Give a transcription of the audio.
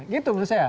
gitu menurut saya